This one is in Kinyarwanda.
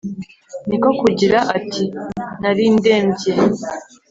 Ni ko kugira ati: “Nari ndembye